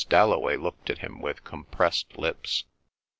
Dalloway looked at him with compressed lips.